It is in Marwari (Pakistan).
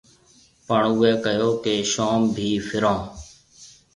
پڻ اُوئي ڪهيو ڪيَ شوم ڀِي ڦرِهون۔